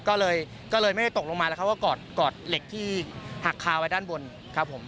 ก็เลยก็เลยไม่ได้ตกลงมาแล้วเขาก็กอดเหล็กที่หักคาไว้ด้านบนครับผม